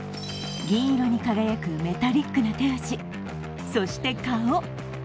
銀色に輝くメタリックな手足、そして顔。